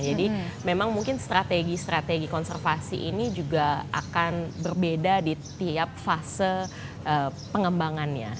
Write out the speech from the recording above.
jadi memang mungkin strategi strategi konservasi ini juga akan berbeda di tiap fase pengembangannya